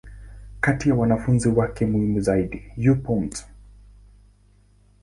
Kati ya wanafunzi wake muhimu zaidi, yupo Mt.